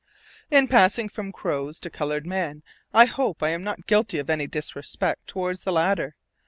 In passing from crows to colored men, I hope I am not guilty of any disrespect toward the latter.